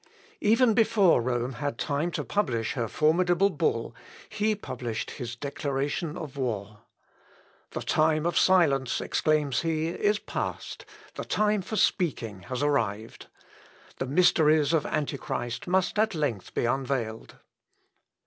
Even before Rome had time to publish her formidable bull, he published his declaration of war. "The time of silence," exclaims he, "is past; the time for speaking has arrived. The mysteries of Antichrist must at length be unveiled."